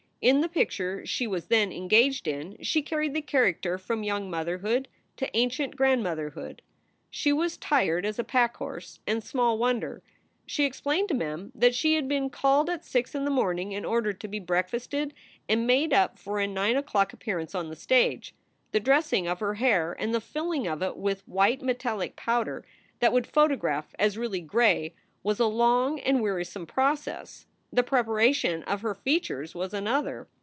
In the picture she was then engaged in she carried the character from young motherhood to ancient grandmotherhood. She was tired as a pack horse, and small wonder. She explained to Mem that she had been called at six in the morning in order to be breakfasted and made up for a nine o clock appearance on the stage. The dressing of her hair and the filling of it with white metallic powder that would photograph as really gray was a long and wearisome process. The preparation of her features was another.